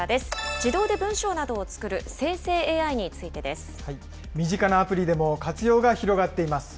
自動で文章などを作る生成ＡＩについてで身近なアプリでも活用が広が